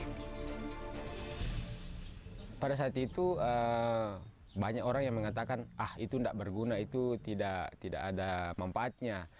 hai prophet itu banyak orang yang mengatakan ah itu enggak berguna itu tidak tidak ada mempatnya